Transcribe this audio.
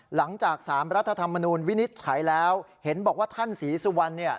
หลังจาก๓รัฐธรรมนูลวินิจฉัยแล้วเห็นบอกว่าท่านศรีสุวรรณ